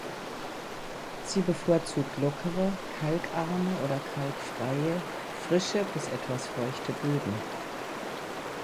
Sie bevorzugt lockere, kalkarme oder kalkfreie, frische bis etwas feuchte Böden.